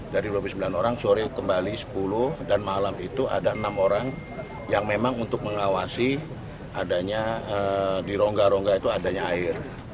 dari dua puluh sembilan orang sore kembali sepuluh dan malam itu ada enam orang yang memang untuk mengawasi adanya di rongga rongga itu adanya air